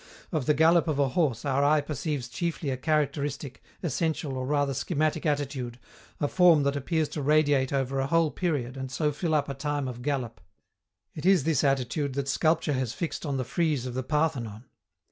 Of the gallop of a horse our eye perceives chiefly a characteristic, essential or rather schematic attitude, a form that appears to radiate over a whole period and so fill up a time of gallop. It is this attitude that sculpture has fixed on the frieze of the Parthenon.